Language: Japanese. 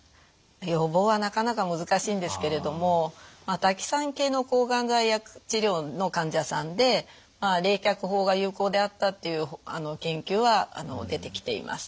予防はなかなか難しいんですけれどもタキサン系の抗がん剤治療の患者さんで冷却法が有効であったっていう研究は出てきています。